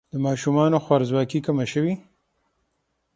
د ماشومانو خوارځواکي کمه شوې؟